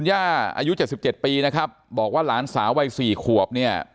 อายุ๗๗ปีบอกว่าหลานสาววัย๔ขวบ